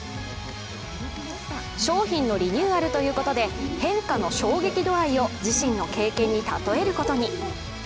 商品のリニューアルということで、変化の衝撃度合いを自身の経験に例えることに。